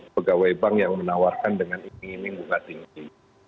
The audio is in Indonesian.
pegawai bank yang menawarkan dengan iming iming bunga tinggi